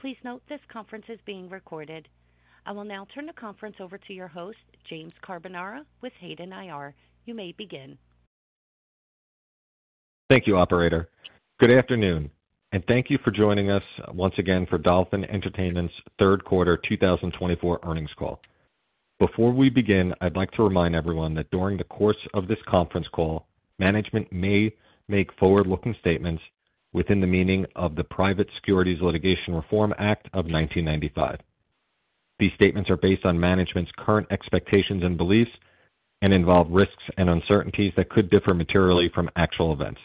Please note this conference is being recorded. I will now turn the conference over to your host, James Carbonara, with Hayden IR. You may begin. Thank you, operator. Good afternoon, and thank you for joining us once again for Dolphin Entertainment's third quarter 2024 earnings call. Before we begin, I'd like to remind everyone that during the course of this conference call, management may make forward-looking statements within the meaning of the Private Securities Litigation Reform Act of 1995. These statements are based on management's current expectations and beliefs and involve risks and uncertainties that could differ materially from actual events.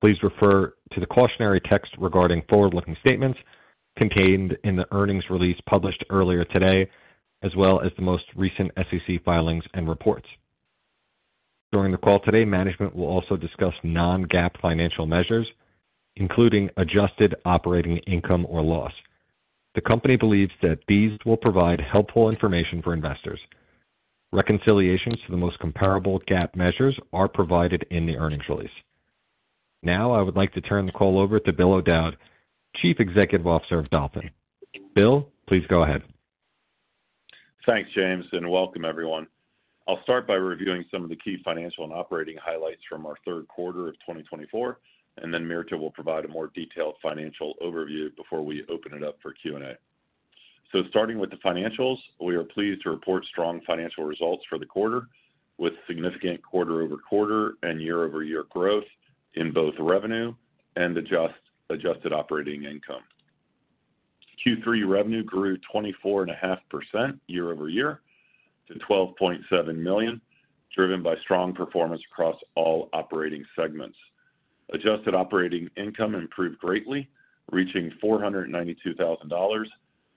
Please refer to the cautionary text regarding forward-looking statements contained in the earnings release published earlier today, as well as the most recent SEC filings and reports. During the call today, management will also discuss non-GAAP financial measures, including adjusted operating income or loss. The company believes that these will provide helpful information for investors. Reconciliations to the most comparable GAAP measures are provided in the earnings release. Now, I would like to turn the call over to Bill O'Dowd, Chief Executive Officer of Dolphin. Bill, please go ahead. Thanks, James, and welcome, everyone. I'll start by reviewing some of the key financial and operating highlights from our third quarter of 2024, and then Mirta will provide a more detailed financial overview before we open it up for Q&A. So, starting with the financials, we are pleased to report strong financial results for the quarter, with significant quarter-over-quarter and year-over-year growth in both revenue and adjusted operating income. Q3 revenue grew 24.5% year-over-year to $12.7 million, driven by strong performance across all operating segments. Adjusted operating income improved greatly, reaching $492,000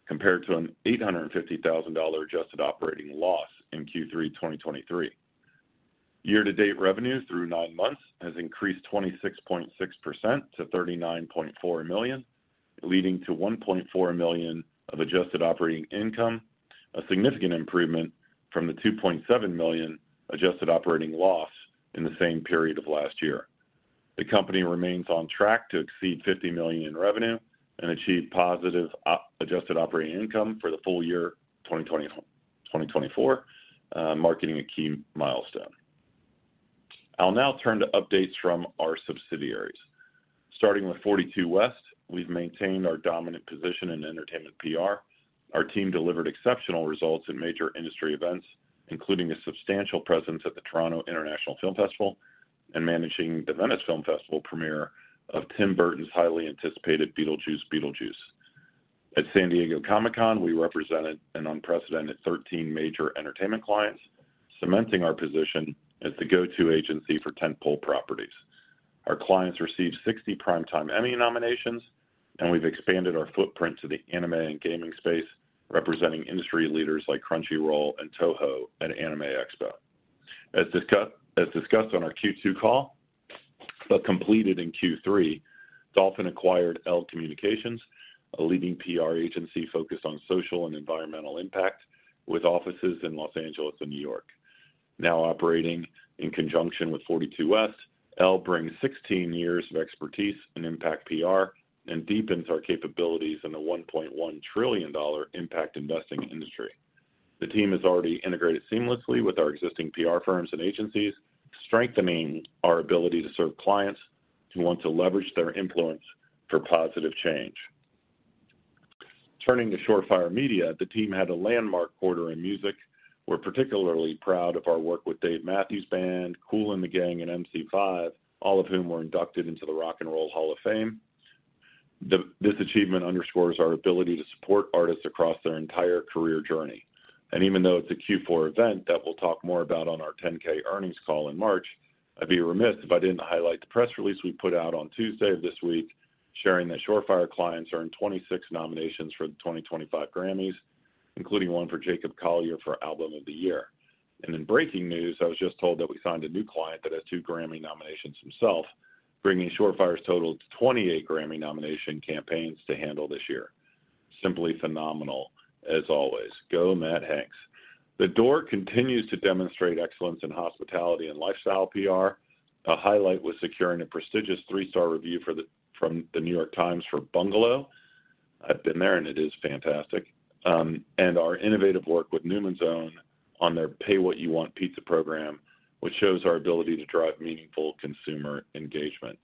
compared to an $850,000 adjusted operating loss in Q3 2023. Year-to-date revenue through nine months has increased 26.6% to $39.4 million, leading to $1.4 million of adjusted operating income, a significant improvement from the $2.7 million adjusted operating loss in the same period of last year. The company remains on track to exceed $50 million in revenue and achieve positive adjusted operating income for the full year 2024, marking a key milestone. I'll now turn to updates from our subsidiaries. Starting with 42 West, we've maintained our dominant position in entertainment PR. Our team delivered exceptional results at major industry events, including a substantial presence at the Toronto International Film Festival and managing the Venice Film Festival premiere of Tim Burton's highly anticipated "Beetlejuice Beetlejuice." At San Diego Comic-Con, we represented an unprecedented 13 major entertainment clients, cementing our position as the go-to agency for tentpole properties. Our clients received 60 Primetime Emmy nominations, and we've expanded our footprint to the anime and gaming space, representing industry leaders like Crunchyroll and TOHO at Anime Expo. As discussed on our Q2 call, but completed in Q3, Dolphin acquired Elle Communications, a leading PR agency focused on social and environmental impact, with offices in Los Angeles and New York. Now operating in conjunction with 42 West, Elle brings 16 years of expertise in Impact PR and deepens our capabilities in the $1.1 trillion impact investing industry. The team has already integrated seamlessly with our existing PR firms and agencies, strengthening our ability to serve clients who want to leverage their influence for positive change. Turning to Shore Fire Media, the team had a landmark quarter in music. We're particularly proud of our work with Dave Matthews Band, Kool & The Gang, and MC5, all of whom were inducted into the Rock & Roll Hall of Fame. This achievement underscores our ability to support artists across their entire career journey. Even though it's a Q4 event that we'll talk more about on our 10-K earnings call in March, I'd be remiss if I didn't highlight the press release we put out on Tuesday of this week, sharing that Shore Fire clients earned 26 nominations for the 2025 Grammys, including one for Jacob Collier for Album of the Year. And in breaking news, I was just told that we signed a new client that has two Grammy nominations himself, bringing Shore Fire's total to 28 Grammy nomination campaigns to handle this year. Simply phenomenal, as always. Go, Matt Hanks. The Door continues to demonstrate excellence in hospitality and lifestyle PR. A highlight was securing a prestigious three-star review from The New York Times for Bungalow. I've been there, and it is fantastic. Our innovative work with Newman's Own on their Pay-What-You-Want Pizza program, which shows our ability to drive meaningful consumer engagement.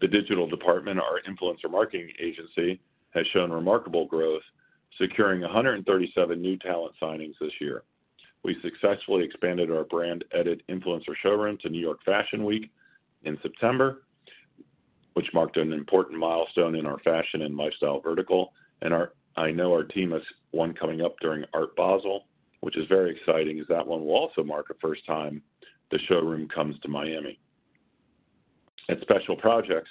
The Digital Department, our influencer marketing agency, has shown remarkable growth, securing 137 new talent signings this year. We successfully expanded our brand-edit influencer showroom to New York Fashion Week in September, which marked an important milestone in our fashion and lifestyle vertical. And I know our team has one coming up during Art Basel, which is very exciting, as that one will also mark a first time the showroom comes to Miami. At Special Projects,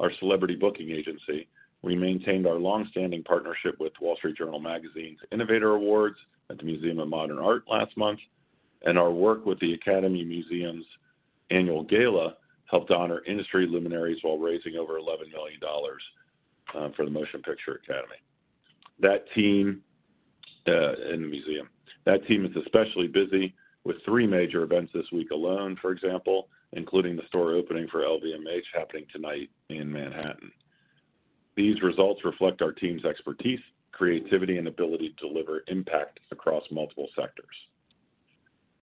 our celebrity booking agency, we maintained our long-standing partnership with Wall Street Journal Magazine's Innovator Awards at the Museum of Modern Art last month, and our work with the Academy Museum's annual gala helped honor industry luminaries while raising over $11 million for the Motion Picture Academy. That team and the museum, that team is especially busy with three major events this week alone, for example, including the store opening for LVMH happening tonight in Manhattan. These results reflect our team's expertise, creativity, and ability to deliver impact across multiple sectors.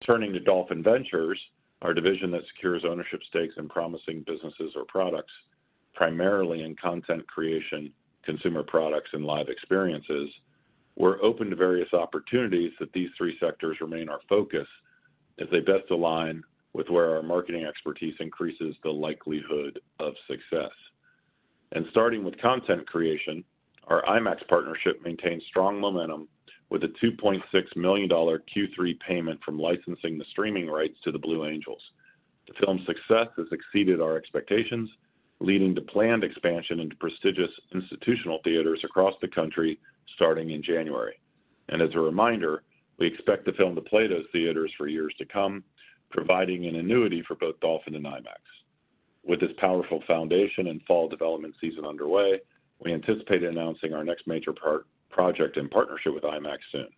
Turning to Dolphin Ventures, our division that secures ownership stakes in promising businesses or products, primarily in content creation, consumer products, and live experiences, we're open to various opportunities that these three sectors remain our focus as they best align with where our marketing expertise increases the likelihood of success, and starting with content creation, our IMAX partnership maintains strong momentum with a $2.6 million Q3 payment from licensing the streaming rights to the Blue Angels. The film's success has exceeded our expectations, leading to planned expansion into prestigious institutional theaters across the country starting in January. And as a reminder, we expect the film to play those theaters for years to come, providing an annuity for both Dolphin and IMAX. With this powerful foundation and fall development season underway, we anticipate announcing our next major project in partnership with IMAX soon.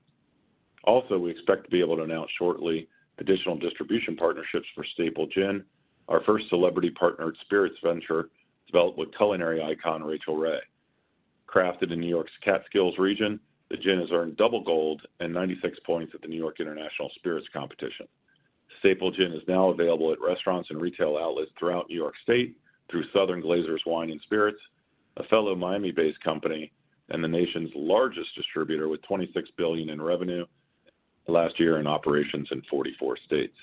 Also, we expect to be able to announce shortly additional distribution partnerships for Staple Gin, our first celebrity-partnered spirits venture developed with culinary icon Rachael Ray. Crafted in New York's Catskills region, the gin has earned double gold and 96 points at the New York International Spirits Competition. Staple Gin is now available at restaurants and retail outlets throughout New York State through Southern Glazer's Wine and Spirits, a fellow Miami-based company, and the nation's largest distributor with $26 billion in revenue last year in operations in 44 states.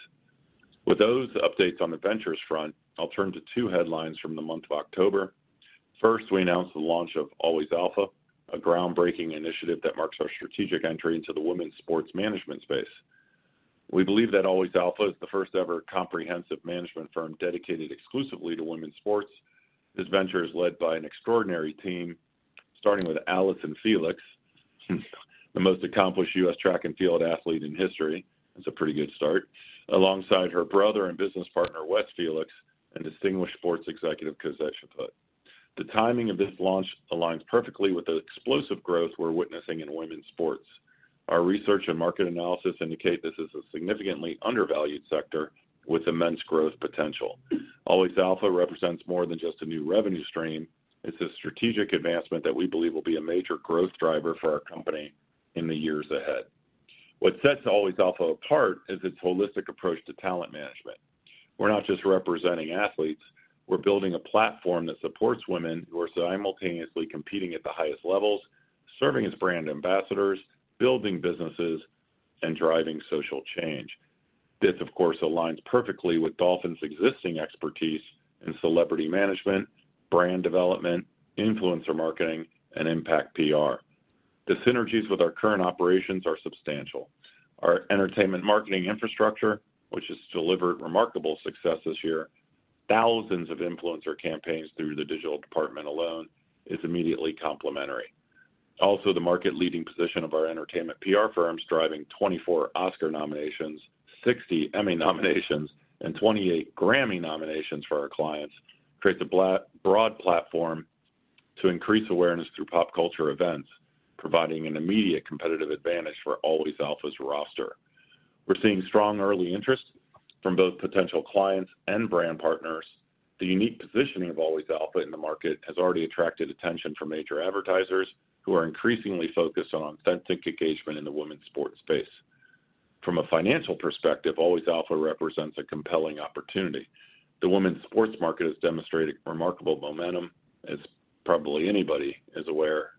With those updates on the ventures front, I'll turn to two headlines from the month of October. First, we announced the launch of Always Alpha, a groundbreaking initiative that marks our strategic entry into the women's sports management space. We believe that Always Alpha is the first-ever comprehensive management firm dedicated exclusively to women's sports. This venture is led by an extraordinary team, starting with Allyson Felix, the most accomplished U.S. track and field athlete in history. That's a pretty good start, alongside her brother and business partner, Wes Felix, and distinguished sports executive Cosette Chaput. The timing of this launch aligns perfectly with the explosive growth we're witnessing in women's sports. Our research and market analysis indicate this is a significantly undervalued sector with immense growth potential. Always Alpha represents more than just a new revenue stream. It's a strategic advancement that we believe will be a major growth driver for our company in the years ahead. What sets Always Alpha apart is its holistic approach to talent management. We're not just representing athletes. We're building a platform that supports women who are simultaneously competing at the highest levels, serving as brand ambassadors, building businesses, and driving social change. This, of course, aligns perfectly with Dolphin's existing expertise in celebrity management, brand development, influencer marketing, and impact PR. The synergies with our current operations are substantial. Our entertainment marketing infrastructure, which has delivered remarkable success this year, thousands of influencer campaigns through the digital department alone, is immediately complementary. Also, the market-leading position of our entertainment PR firms, driving 24 Oscar nominations, 60 Emmy nominations, and 28 Grammy nominations for our clients, creates a broad platform to increase awareness through pop culture events, providing an immediate competitive advantage for Always Alpha's roster. We're seeing strong early interest from both potential clients and brand partners. The unique positioning of Always Alpha in the market has already attracted attention from major advertisers who are increasingly focused on authentic engagement in the women's sports space. From a financial perspective, Always Alpha represents a compelling opportunity. The women's sports market has demonstrated remarkable momentum, as probably anybody is aware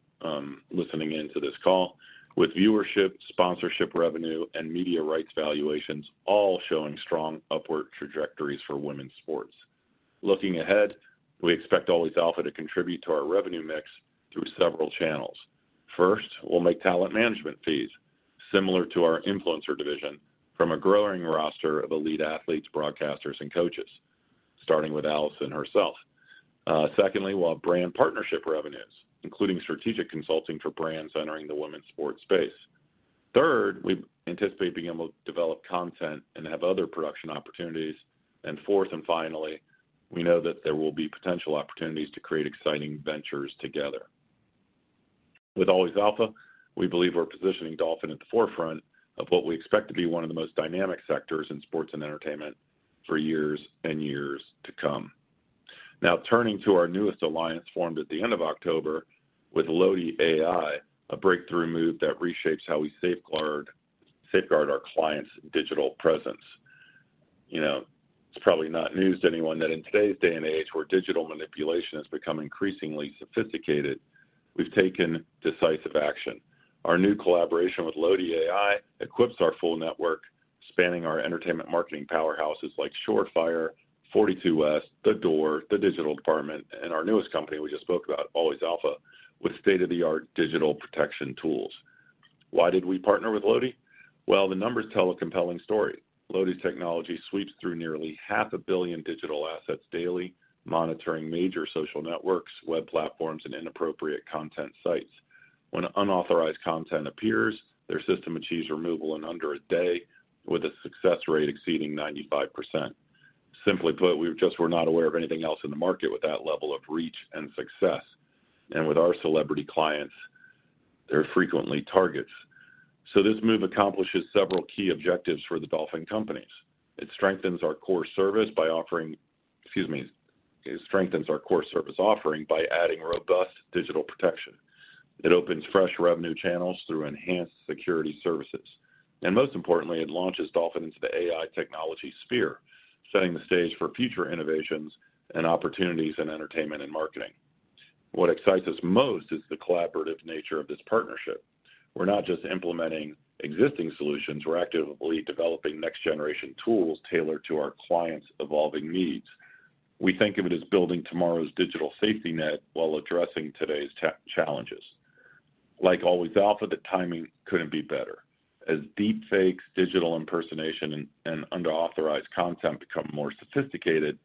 listening in to this call, with viewership, sponsorship revenue, and media rights valuations all showing strong upward trajectories for women's sports. Looking ahead, we expect Always Alpha to contribute to our revenue mix through several channels. First, we'll make talent management fees, similar to our influencer division, from a growing roster of elite athletes, broadcasters, and coaches, starting with Allyson herself. Secondly, we'll have brand partnership revenues, including strategic consulting for brands entering the women's sports space. Third, we anticipate being able to develop content and have other production opportunities. And fourth and finally, we know that there will be potential opportunities to create exciting ventures together. With Always Alpha, we believe we're positioning Dolphin at the forefront of what we expect to be one of the most dynamic sectors in sports and entertainment for years and years to come. Now, turning to our newest alliance formed at the end of October with Loti AI, a breakthrough move that reshapes how we safeguard our clients' digital presence. You know, it's probably not news to anyone that in today's day and age, where digital manipulation has become increasingly sophisticated, we've taken decisive action. Our new collaboration with Loti AI equips our full network, spanning our entertainment marketing powerhouses like Shore Fire, 42 West, The Door, The Digital Department, and our newest company we just spoke about, Always Alpha, with state-of-the-art digital protection tools. Why did we partner with Loti? Well, the numbers tell a compelling story. Loti's technology sweeps through nearly 500 million digital assets daily, monitoring major social networks, web platforms, and inappropriate content sites. When unauthorized content appears, their system achieves removal in under a day, with a success rate exceeding 95%. Simply put, we just were not aware of anything else in the market with that level of reach and success. And with our celebrity clients, they're frequently targets. So this move accomplishes several key objectives for the Dolphin companies. It strengthens our core service by offering, excuse me, it strengthens our core service offering by adding robust digital protection. It opens fresh revenue channels through enhanced security services. And most importantly, it launches Dolphin into the AI technology sphere, setting the stage for future innovations and opportunities in entertainment and marketing. What excites us most is the collaborative nature of this partnership. We're not just implementing existing solutions. We're actively developing next-generation tools tailored to our clients' evolving needs. We think of it as building tomorrow's digital safety net while addressing today's challenges. Like Always Alpha, the timing couldn't be better. As deepfakes, digital impersonation, and unauthorized content become more sophisticated,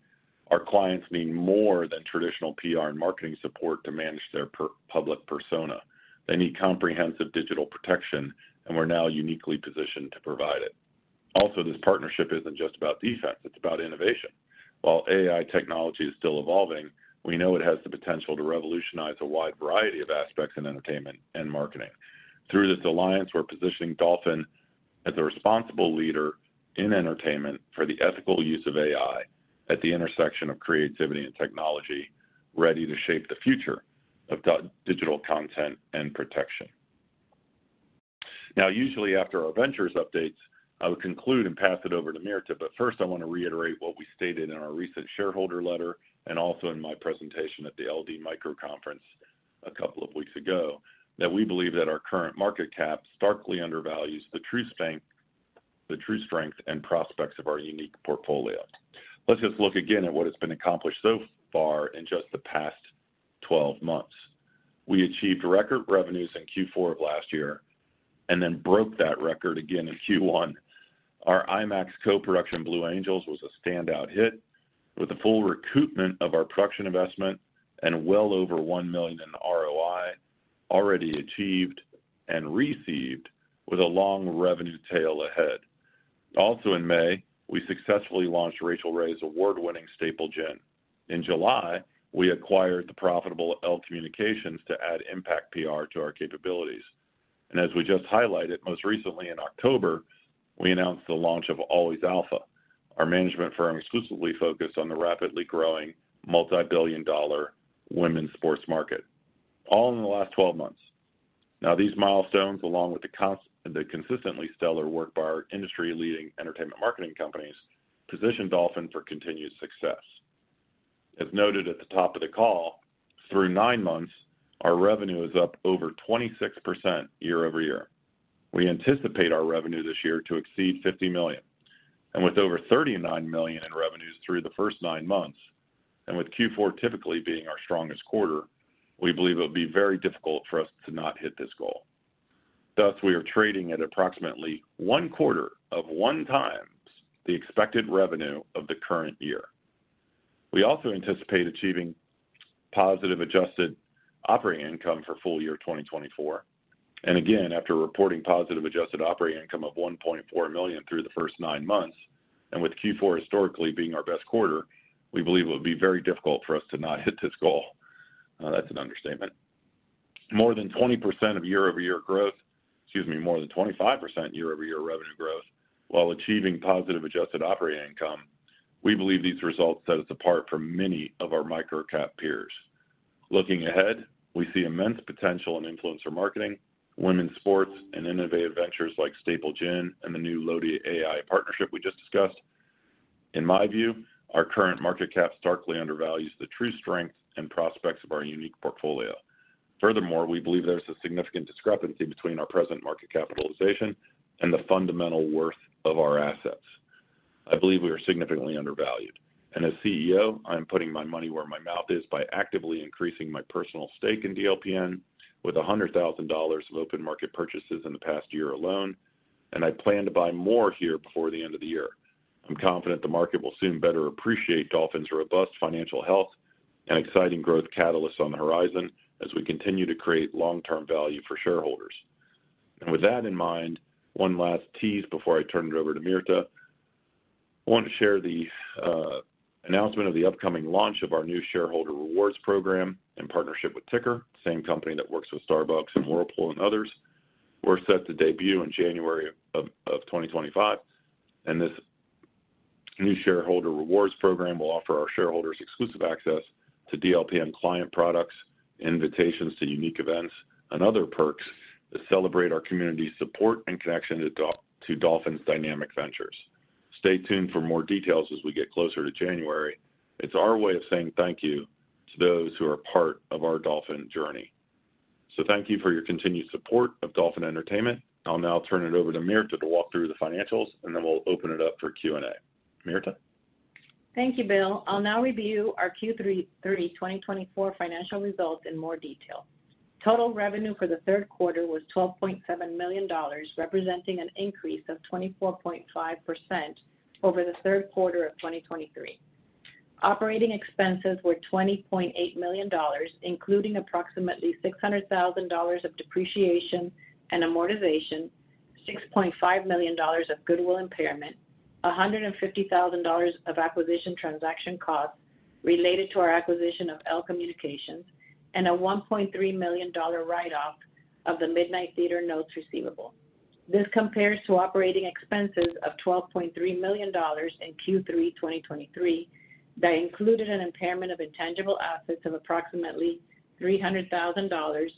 our clients need more than traditional PR and marketing support to manage their public persona. They need comprehensive digital protection, and we're now uniquely positioned to provide it. Also, this partnership isn't just about defense. It's about innovation. While AI technology is still evolving, we know it has the potential to revolutionize a wide variety of aspects in entertainment and marketing. Through this alliance, we're positioning Dolphin as a responsible leader in entertainment for the ethical use of AI at the intersection of creativity and technology, ready to shape the future of digital content and protection. Now, usually after our ventures updates, I would conclude and pass it over to Mirta, but first, I want to reiterate what we stated in our recent shareholder letter and also in my presentation at the LD Micro Conference a couple of weeks ago, that we believe that our current market cap starkly undervalues the true strength and prospects of our unique portfolio. Let's just look again at what has been accomplished so far in just the past 12 months. We achieved record revenues in Q4 of last year and then broke that record again in Q1. Our IMAX co-production Blue Angels was a standout hit, with a full recoupment of our production investment and well over $1 million in ROI already achieved and received, with a long revenue tail ahead. Also, in May, we successfully launched Rachael Ray's award-winning Staple Gin. In July, we acquired the profitable Elle Communications to add impact PR to our capabilities, and as we just highlighted, most recently in October, we announced the launch of Always Alpha, our management firm exclusively focused on the rapidly growing multi-billion dollar women's sports market, all in the last 12 months. Now, these milestones, along with the consistently stellar work by our industry-leading entertainment marketing companies, position Dolphin for continued success. As noted at the top of the call, through nine months, our revenue is up over 26% year-over-year. We anticipate our revenue this year to exceed $50 million. And with over $39 million in revenues through the first nine months, and with Q4 typically being our strongest quarter, we believe it will be very difficult for us to not hit this goal. Thus, we are trading at approximately one quarter of one time the expected revenue of the current year. We also anticipate achieving positive adjusted operating income for full year 2024. And again, after reporting positive adjusted operating income of $1.4 million through the first nine months, and with Q4 historically being our best quarter, we believe it will be very difficult for us to not hit this goal. That's an understatement. More than 20% of year-over-year growth, excuse me, more than 25% year-over-year revenue growth, while achieving positive adjusted operating income, we believe these results set us apart from many of our micro-cap peers. Looking ahead, we see immense potential in influencer marketing, women's sports, and innovative ventures like Staple Gin and the new Loti AI partnership we just discussed. In my view, our current market cap starkly undervalues the true strength and prospects of our unique portfolio. Furthermore, we believe there's a significant discrepancy between our present market capitalization and the fundamental worth of our assets. I believe we are significantly undervalued, and as CEO, I'm putting my money where my mouth is by actively increasing my personal stake in DLPN with $100,000 of open market purchases in the past year alone, and I plan to buy more here before the end of the year. I'm confident the market will soon better appreciate Dolphin's robust financial health and exciting growth catalysts on the horizon as we continue to create long-term value for shareholders. With that in mind, one last tease before I turn it over to Mirta. I want to share the announcement of the upcoming launch of our new shareholder rewards program in partnership with TiiCKER, the same company that works with Starbucks and Whirlpool and others. We're set to debut in January of 2025, and this new shareholder rewards program will offer our shareholders exclusive access to DLPN client products, invitations to unique events, and other perks to celebrate our community's support and connection to Dolphin's dynamic ventures. Stay tuned for more details as we get closer to January. It's our way of saying thank you to those who are part of our Dolphin journey. So thank you for your continued support of Dolphin Entertainment. I'll now turn it over to Mirta to walk through the financials, and then we'll open it up for Q&A. Mirta? Thank you, Bill. I'll now review our Q3 2024 financial results in more detail. Total revenue for the third quarter was $12.7 million, representing an increase of 24.5% over the third quarter of 2023. Operating expenses were $20.8 million, including approximately $600,000 of depreciation and amortization, $6.5 million of goodwill impairment, $150,000 of acquisition transaction costs related to our acquisition of Elle Communications, and a $1.3 million write-off of the Midnight Theatre notes receivable. This compares to operating expenses of $12.3 million in Q3 2023 that included an impairment of intangible assets of approximately $300,000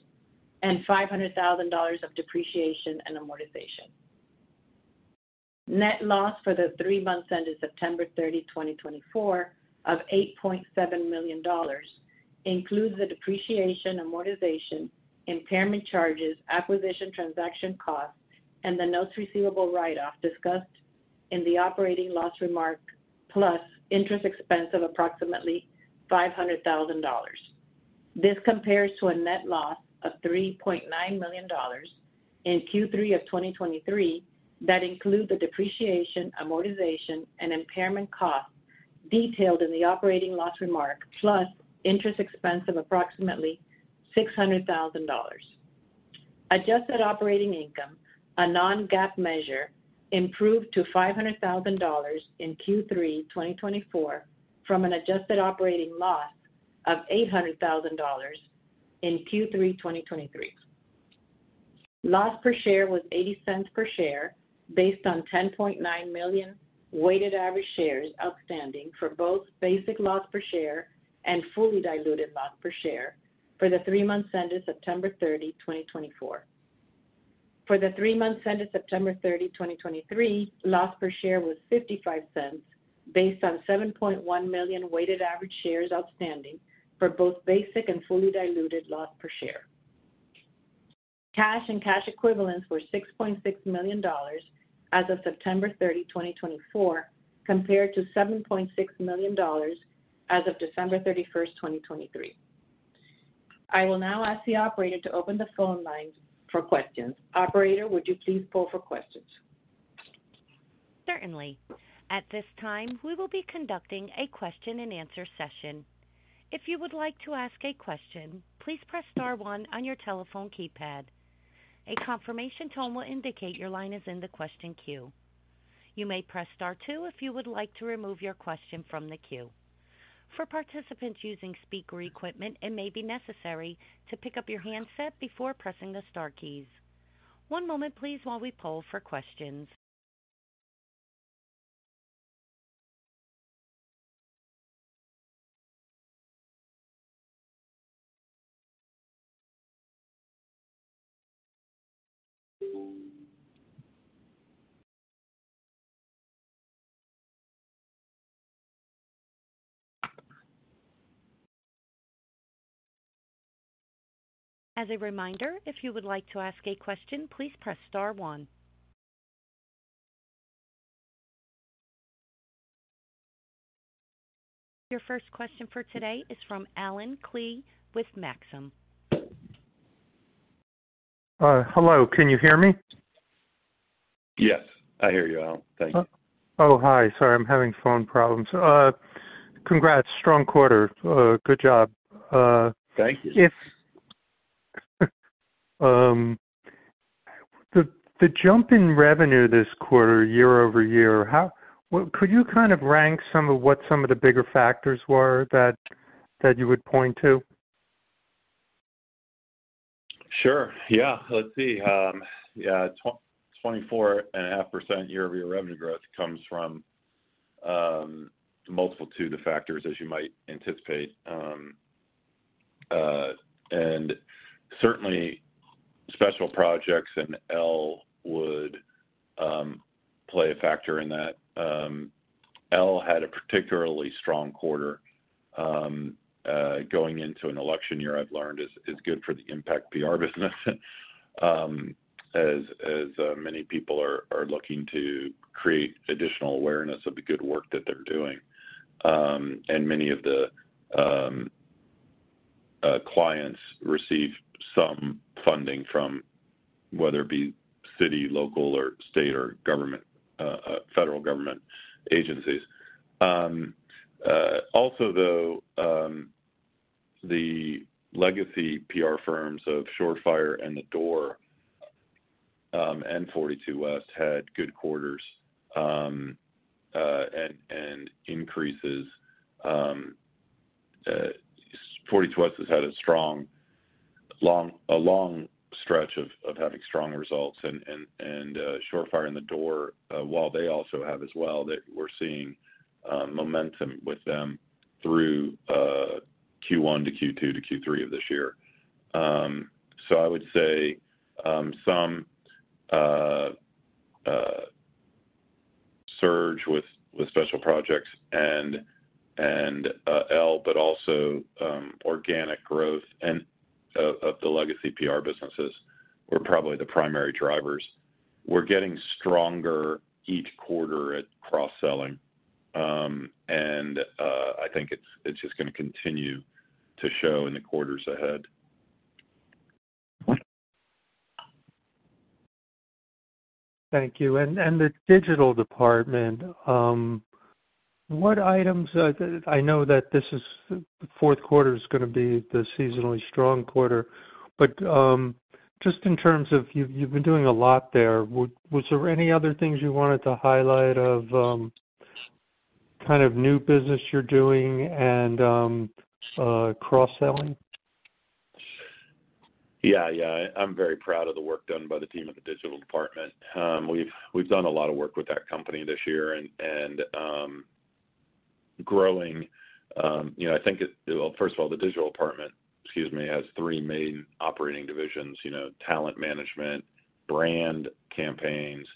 and $500,000 of depreciation and amortization. Net loss for the three months ended September 30, 2024, of $8.7 million includes the depreciation, amortization, impairment charges, acquisition transaction costs, and the notes receivable write-off discussed in the operating loss remark, plus interest expense of approximately $500,000. This compares to a net loss of $3.9 million in Q3 of 2023 that includes the depreciation, amortization, and impairment costs detailed in the operating loss remark, plus interest expense of approximately $600,000. Adjusted operating income, a non-GAAP measure, improved to $500,000 in Q3 2024 from an adjusted operating loss of $800,000 in Q3 2023. Loss per share was $0.80 per share based on 10.9 million weighted average shares outstanding for both basic loss per share and fully diluted loss per share for the three months ended September 30, 2024. For the three months ended September 30, 2023, loss per share was $0.55 based on 7.1 million weighted average shares outstanding for both basic and fully diluted loss per share. Cash and cash equivalents were $6.6 million as of September 30, 2024, compared to $7.6 million as of December 31, 2023. I will now ask the operator to open the phone line for questions. Operator, would you please poll for questions? Certainly. At this time, we will be conducting a question-and-answer session. If you would like to ask a question, please press star one on your telephone keypad. A confirmation tone will indicate your line is in the question queue. You may press star two if you would like to remove your question from the queue. For participants using speaker equipment, it may be necessary to pick up your handset before pressing the star keys. One moment, please, while we pull for questions. As a reminder, if you would like to ask a question, please press star one. Your first question for today is from Allen Klee with Maxim. Hello. Can you hear me? Yes. I hear you, Allen. Thank you. Oh, hi. Sorry. I'm having phone problems. Congrats. Strong quarter. Good job. Thank you. The jump in revenue this quarter, year-over-year, could you kind of rank some of what some of the bigger factors were that you would point to? Sure. Yeah. Let's see. Yeah. 24.5% year-over-year revenue growth comes from multiple two to factors, as you might anticipate. And certainly, Special Projects and Elle would play a factor in that. Elle had a particularly strong quarter. Going into an election year, I've learned, is good for the Impact PR business, as many people are looking to create additional awareness of the good work that they're doing, and many of the clients receive some funding from whether it be city, local, or state or government, federal government agencies. Also, though, the legacy PR firms of Shore Fire and The Door and 42 West had good quarters and increases. 42 West has had a long stretch of having strong results, and Shore Fire and The Door, while they also have as well, that we're seeing momentum with them through Q1 to Q2 to Q3 of this year, so I would say some surge with Special Projects and Elle, but also organic growth of the legacy PR businesses were probably the primary drivers. We're getting stronger each quarter at cross-selling, and I think it's just going to continue to show in the quarters ahead. Thank you. And The Digital Department, with that in mind I know that this fourth quarter is going to be the seasonally strong quarter, but just in terms of you've been doing a lot there, was there any other things you wanted to highlight of kind of new business you're doing and cross-selling? Yeah. Yeah. I'm very proud of the work done by the team at The Digital Department. We've done a lot of work with that company this year and growing. I think, first of all, The Digital Department, excuse me, has three main operating divisions: talent management, brand campaigns,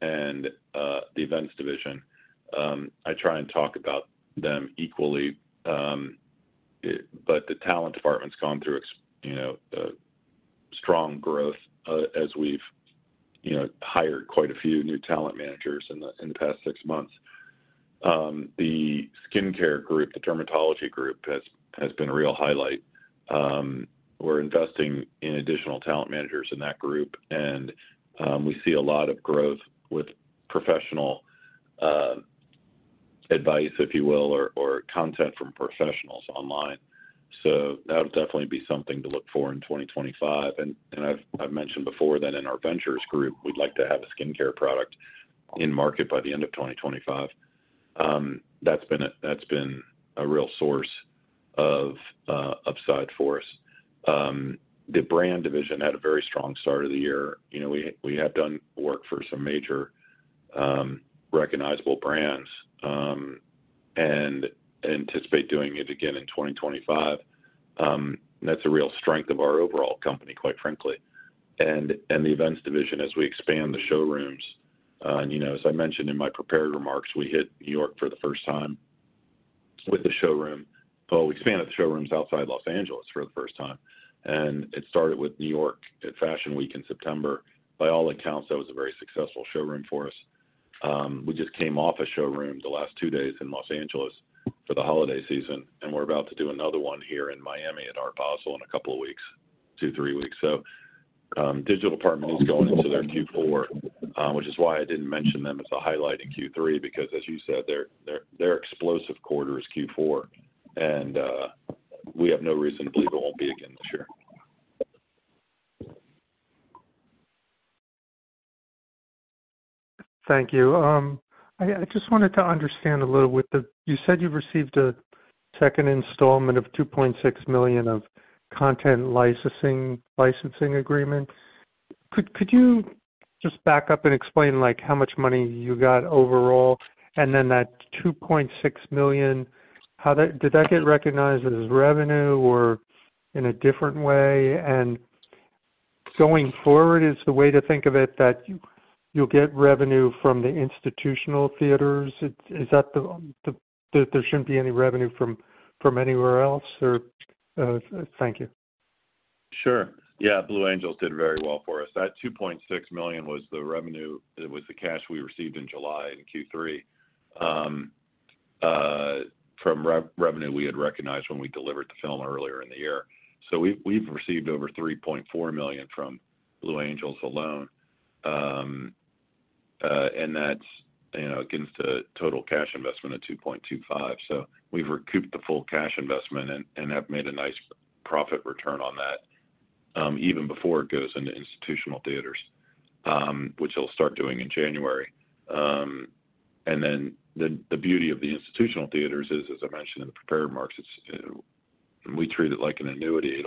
and the events division. I try and talk about them equally, but the talent department's gone through strong growth as we've hired quite a few new talent managers in the past six months. The skincare group, the dermatology group, has been a real highlight. We're investing in additional talent managers in that group, and we see a lot of growth with professional advice, if you will, or content from professionals online. So that'll definitely be something to look for in 2025. And I've mentioned before that in our ventures group, we'd like to have a skincare product in market by the end of 2025. That's been a real source of upside for us. The brand division had a very strong start of the year. We have done work for some major recognizable brands and anticipate doing it again in 2025. That's a real strength of our overall company, quite frankly. The events division, as we expand the showrooms, as I mentioned in my prepared remarks, we hit New York for the first time with the showroom. We expanded the showrooms outside Los Angeles for the first time, and it started with New York at Fashion Week in September. By all accounts, that was a very successful showroom for us. We just came off a showroom the last two days in Los Angeles for the holiday season, and we're about to do another one here in Miami at Art Basel in a couple of weeks, two, three weeks. The Digital Department is going into their Q4, which is why I didn't mention them as a highlight in Q3, because, as you said, their explosive quarter is Q4, and we have no reason to believe it won't be again this year. Thank you. I just wanted to understand a little with the. You said you've received a second installment of $2.6 million of content licensing agreement. Could you just back up and explain how much money you got overall? And then that $2.6 million, did that get recognized as revenue or in a different way? And going forward, is the way to think of it that you'll get revenue from the institutional theaters? Is that the there shouldn't be any revenue from anywhere else? Thank you. Sure. Yeah. Blue Angels did very well for us. That $2.6 million was the revenue. It was the cash we received in July in Q3 from revenue we had recognized when we delivered the film earlier in the year. So we've received over $3.4 million from Blue Angels alone, and that's against a total cash investment of $2.25 million. So we've recouped the full cash investment and have made a nice profit return on that, even before it goes into institutional theaters, which we'll start doing in January. And then the beauty of the institutional theaters is, as I mentioned in the prepared remarks, we treat it like an annuity.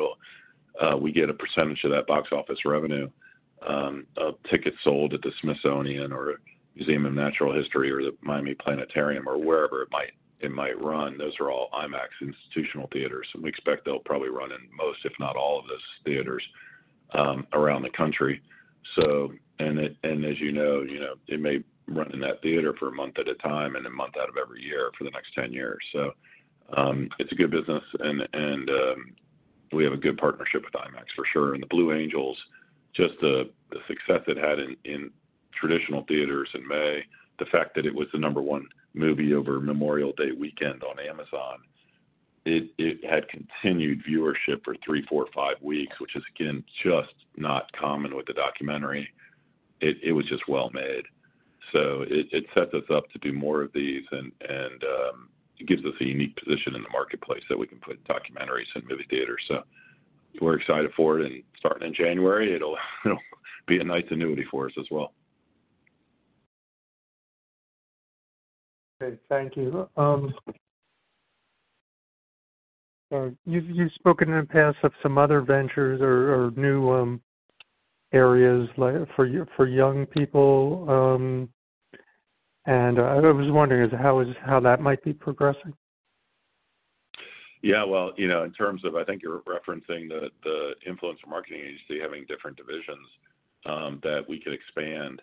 We get a percentage of that box office revenue of tickets sold at the Smithsonian or Museum of Natural History or the Miami Planetarium or wherever it might run. Those are all IMAX institutional theaters, and we expect they'll probably run in most, if not all of those theaters around the country. And as you know, it may run in that theater for a month at a time and a month out of every year for the next 10 years. So it's a good business, and we have a good partnership with IMAX, for sure. And the Blue Angels, just the success it had in traditional theaters in May, the fact that it was the number one movie over Memorial Day weekend on Amazon, it had continued viewership for three, four, five weeks, which is, again, just not common with a documentary. It was just well-made. So it sets us up to do more of these and gives us a unique position in the marketplace that we can put documentaries in movie theaters. So we're excited for it, and starting in January, it'll be a nice annuity for us as well. Okay. Thank you. You've spoken in the past of some other ventures or new areas for young people, and I was wondering how that might be progressing. Yeah. Well, in terms of I think you're referencing the influencer marketing agency having different divisions that we could expand.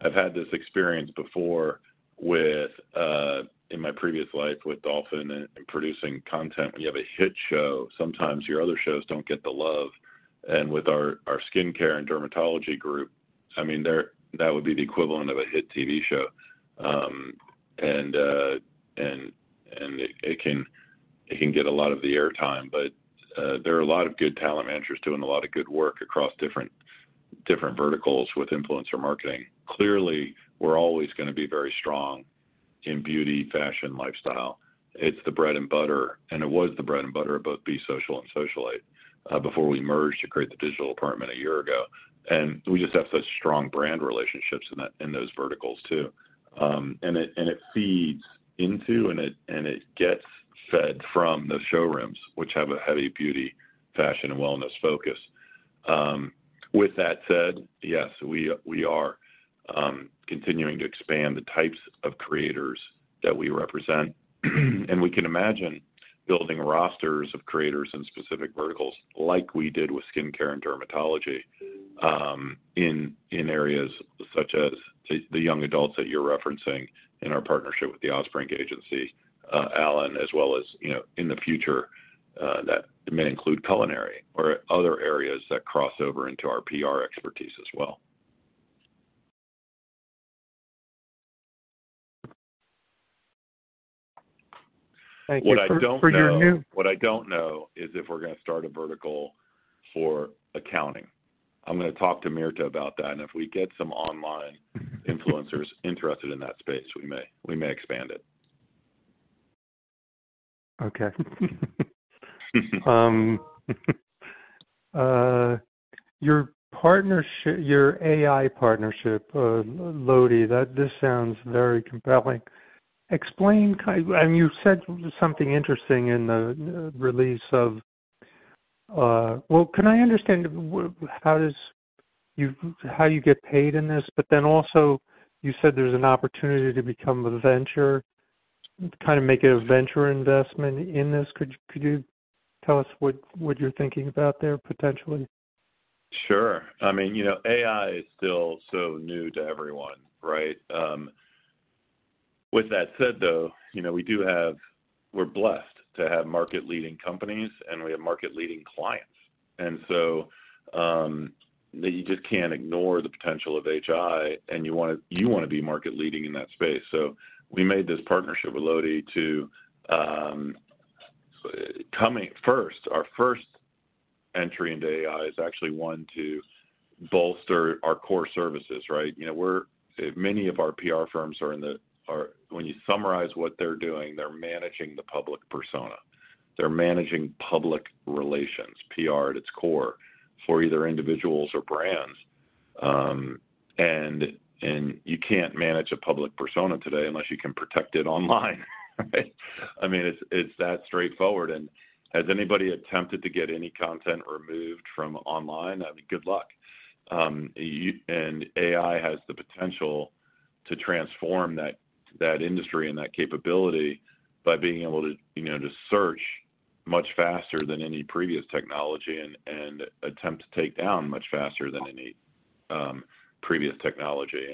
I've had this experience before in my previous life with Dolphin and producing content. When you have a hit show, sometimes your other shows don't get the love. And with our skincare and dermatology group, I mean, that would be the equivalent of a hit TV show, and it can get a lot of the airtime. But there are a lot of good talent managers doing a lot of good work across different verticals with influencer marketing. Clearly, we're always going to be very strong in beauty, fashion, lifestyle. It's the bread and butter, and it was the bread and butter of both Be Social and Socialite before we merged to create the Digital Department a year ago. And we just have such strong brand relationships in those verticals too. And it feeds into, and it gets fed from the showrooms, which have a heavy beauty, fashion, and wellness focus. With that said, yes, we are continuing to expand the types of creators that we represent. And we can imagine building rosters of creators in specific verticals like we did with skincare and dermatology in areas such as the young adults that you're referencing in our partnership with the Osbrink Agency, Allen, as well as in the future, that may include culinary or other areas that cross over into our PR expertise as well. What I don't know is if we're going to start a vertical for accounting. I'm going to talk to Mirta about that, and if we get some online influencers interested in that space, we may expand it. Okay. Your AI partnership, Loti, this sounds very compelling. And you said something interesting in the release. Well, can I understand how you get paid in this? But then also, you said there's an opportunity to become a venture, kind of make it a venture investment in this. Could you tell us what you're thinking about there, potentially? Sure. I mean, AI is still so new to everyone, right? With that said, though, we're blessed to have market-leading companies, and we have market-leading clients. And so you just can't ignore the potential of AI, and you want to be market-leading in that space. So we made this partnership with Loti to first, our first entry into AI is actually one to bolster our core services, right? Many of our PR firms are in the when you summarize what they're doing, they're managing the public persona. They're managing public relations, PR at its core for either individuals or brands. And you can't manage a public persona today unless you can protect it online, right? I mean, it's that straightforward. And has anybody attempted to get any content removed from online? I mean, good luck. And AI has the potential to transform that industry and that capability by being able to search much faster than any previous technology and attempt to take down much faster than any previous technology.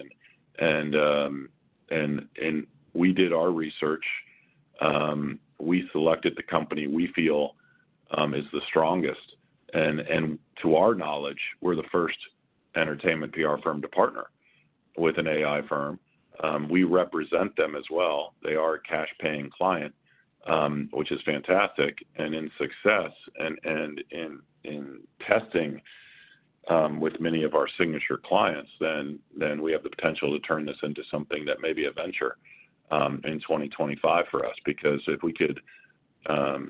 And we did our research. We selected the company we feel is the strongest. And to our knowledge, we're the first entertainment PR firm to partner with an AI firm. We represent them as well. They are a cash-paying client, which is fantastic. And in success and in testing with many of our signature clients, then we have the potential to turn this into something that may be a venture in 2025 for us. Because if we could have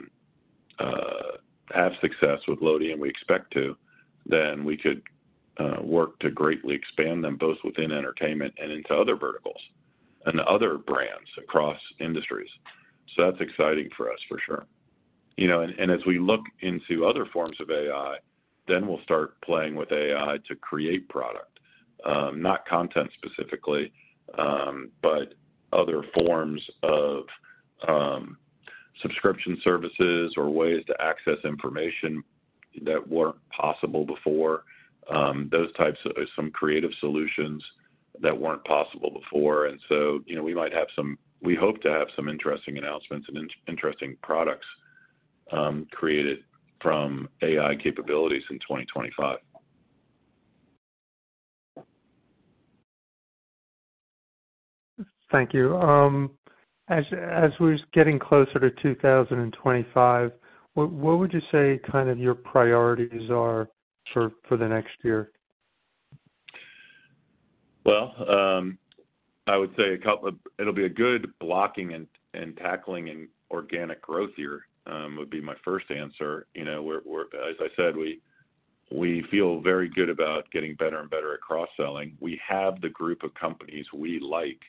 success with Loti, and we expect to, then we could work to greatly expand them both within entertainment and into other verticals and other brands across industries. So that's exciting for us, for sure. And as we look into other forms of AI, then we'll start playing with AI to create product, not content specifically, but other forms of subscription services or ways to access information that weren't possible before, those types of some creative solutions that weren't possible before. And so we might have some, we hope to have some interesting announcements and interesting products created from AI capabilities in 2025. Thank you. As we're getting closer to 2025, what would you say kind of your priorities are for the next year? Well, I would say it'll be a good blocking and tackling and organic growth year, which would be my first answer. As I said, we feel very good about getting better and better at cross-selling. We have the group of companies we like.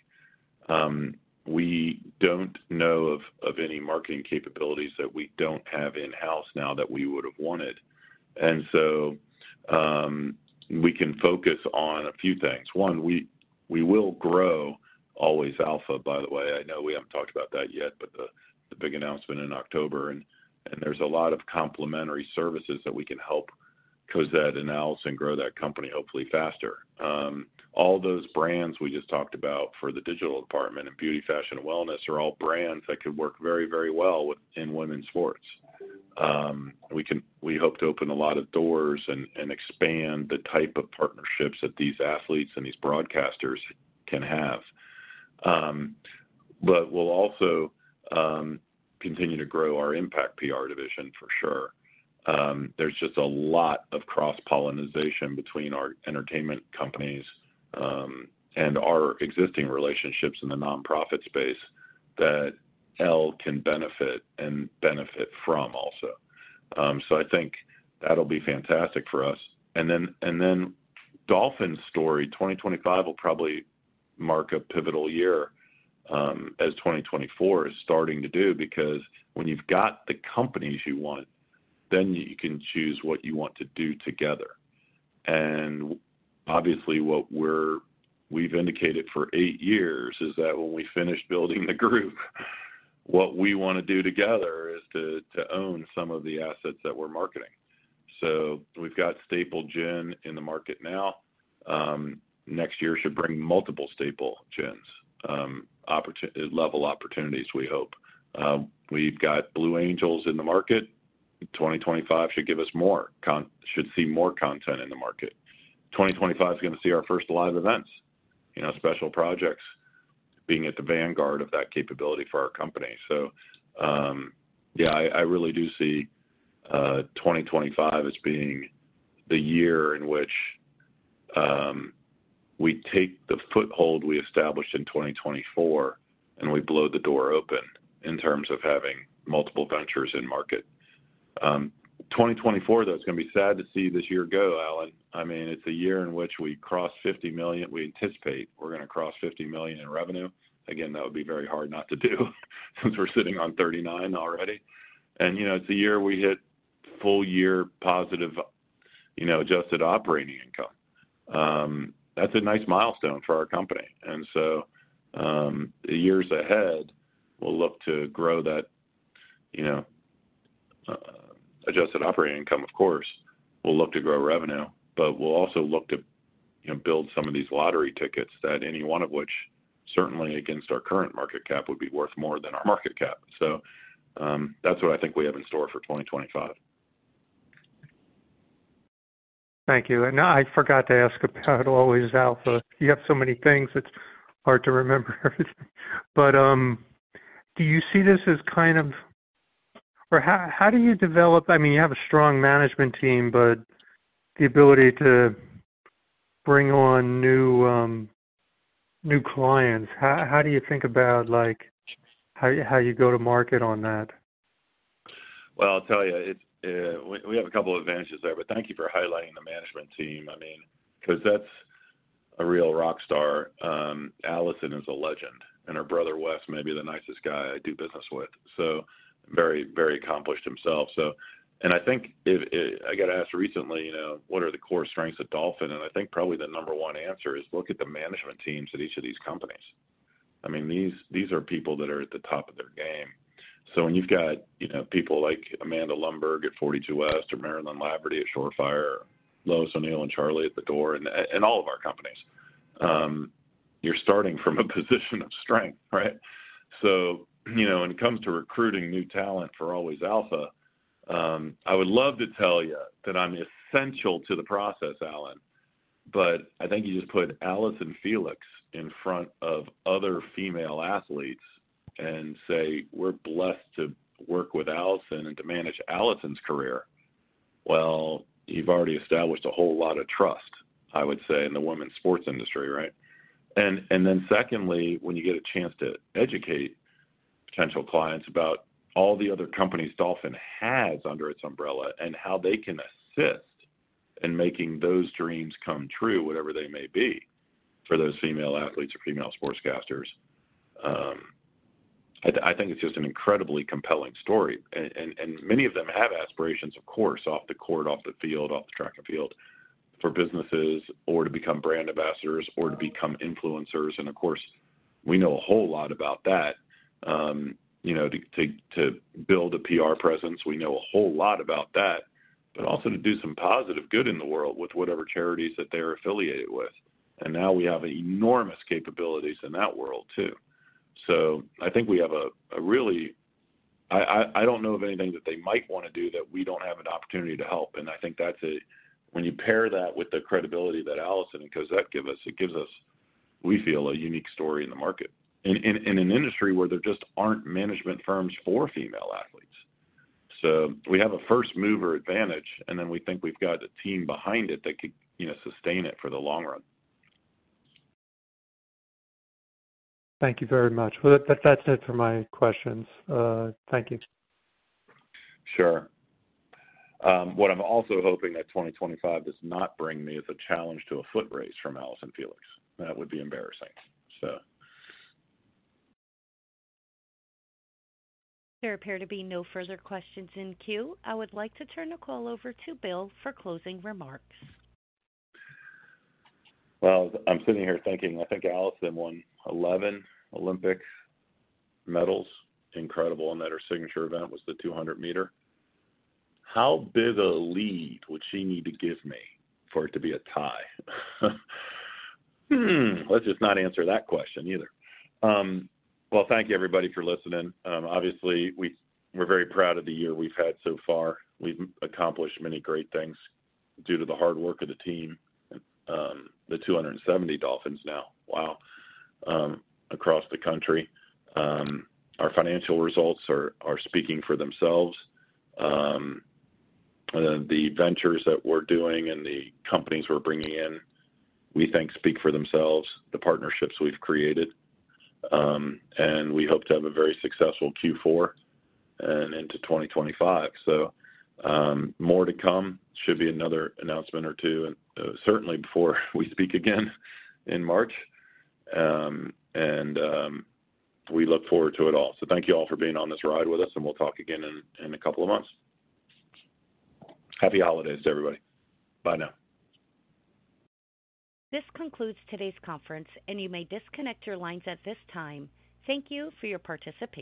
We don't know of any marketing capabilities that we don't have in-house now that we would have wanted, and so we can focus on a few things. One, we will grow Always Alpha, by the way. I know we haven't talked about that yet, but the big announcement in October, and there's a lot of complementary services that we can help Cosette and Allyson grow that company, hopefully, faster. All those brands we just talked about for The Digital Department and beauty, fashion, and wellness are all brands that could work very, very well in women's sports. We hope to open a lot of doors and expand the type of partnerships that these athletes and these broadcasters can have. But we'll also continue to grow our Impact PR division, for sure. There's just a lot of cross-pollination between our entertainment companies and our existing relationships in the nonprofit space that Elle can benefit and benefit from also. So I think that'll be fantastic for us. And then Dolphin's story, 2025 will probably mark a pivotal year as 2024 is starting to do because when you've got the companies you want, then you can choose what you want to do together. And obviously, what we've indicated for eight years is that when we finish building the group, what we want to do together is to own some of the assets that we're marketing. So we've got Staple Gin in the market now. Next year should bring multiple Staple Gin level opportunities, we hope. We've got Blue Angels in the market. 2025 should give us more. We should see more content in the market. 2025 is going to see our first live events, Special Projects being at the vanguard of that capability for our company. So yeah, I really do see 2025 as being the year in which we take the foothold we established in 2024, and we blow the door open in terms of having multiple ventures in market. 2024, though, it's going to be sad to see this year go, Allen. I mean, it's a year in which we cross $50 million. We anticipate we're going to cross $50 million in revenue. Again, that would be very hard not to do since we're sitting on $39 million already. And it's a year we hit full-year positive adjusted operating income. That's a nice milestone for our company. And so the years ahead, we'll look to grow that adjusted operating income, of course. We'll look to grow revenue, but we'll also look to build some of these lottery tickets that any one of which, certainly against our current market cap, would be worth more than our market cap. So that's what I think we have in store for 2025. Thank you. And I forgot to ask about Always Alpha. You have so many things. It's hard to remember everything. But do you see this as kind of or how do you develop? I mean, you have a strong management team, but the ability to bring on new clients, how do you think about how you go to market on that? Well, I'll tell you, we have a couple of advantages there, but thank you for highlighting the management team. I mean, Cosette's a real rock star. Allyson is a legend, and her brother Wes may be the nicest guy I do business with. So very accomplished himself. I think I got asked recently, what are the core strengths of Dolphin? I think probably the number one answer is look at the management teams at each of these companies. I mean, these are people that are at the top of their game. So when you've got people like Amanda Lundberg at 42 West or Marilyn Laverty at Shore Fire, Lois O'Neill and Charlie at The Door, and all of our companies, you're starting from a position of strength, right? So when it comes to recruiting new talent for Always Alpha, I would love to tell you that I'm essential to the process, Allen. But I think you just put Allyson Felix in front of other female athletes and say, "We're blessed to work with Alison and to manage Alison's career." Well, you've already established a whole lot of trust, I would say, in the women's sports industry, right? And then secondly, when you get a chance to educate potential clients about all the other companies Dolphin has under its umbrella and how they can assist in making those dreams come true, whatever they may be, for those female athletes or female sportscasters, I think it's just an incredibly compelling story. And many of them have aspirations, of course, off the court, off the field, off the track and field for businesses or to become brand ambassadors or to become influencers. And of course, we know a whole lot about that. To build a PR presence, we know a whole lot about that, but also to do some positive good in the world with whatever charities that they're affiliated with, and now we have enormous capabilities in that world too, so I think we have a really, I don't know of anything that they might want to do that we don't have an opportunity to help, and I think that's when you pair that with the credibility that Allyson and Cosette give us, it gives us, we feel, a unique story in the market in an industry where there just aren't management firms for female athletes, so we have a first-mover advantage, and then we think we've got a team behind it that could sustain it for the long run. Thank you very much, well, that's it for my questions. Thank you. Sure. What I'm also hoping that 2025 does not bring me is a challenge to a foot race from Allyson Felix. That would be embarrassing, so. There appear to be no further questions in queue. I would like to turn the call over to Bill for closing remarks. Well, I'm sitting here thinking, I think Allyson won 11 Olympic medals, incredible. And then her signature event was the 200 m. How big a lead would she need to give me for it to be a tie? Let's just not answer that question either. Well, thank you, everybody, for listening. Obviously, we're very proud of the year we've had so far. We've accomplished many great things due to the hard work of the team, the 270 Dolphins now, wow, across the country. Our financial results are speaking for themselves. The ventures that we're doing and the companies we're bringing in, we think, speak for themselves, the partnerships we've created, and we hope to have a very successful Q4 and into 2025, so more to come. Should be another announcement or two, certainly before we speak again in March, and we look forward to it all, so thank you all for being on this ride with us, and we'll talk again in a couple of months. Happy holidays to everybody. Bye now. This concludes today's conference, and you may disconnect your lines at this time. Thank you for your participation.